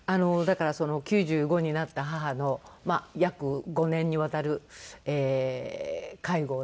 だから９５になった母の約５年にわたる介護をですね